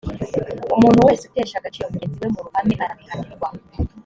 umuntu wese utesha agaciro mugenzi we mu ruhame arabihanirwa